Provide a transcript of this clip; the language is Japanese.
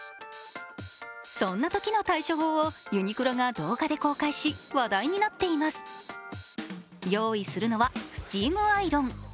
そんなときの対処法をユニクロが動画で公開し、話題になっています用意するのはスチームアイロン。